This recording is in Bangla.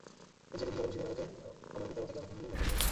যেদিন হিসাব হবে সেদিন আমাকে আমার পিতামাতাকে এবং মুমিনগণকে ক্ষমা করো!